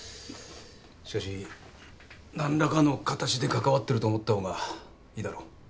しかし何らかの形でかかわってると思った方がいいだろう。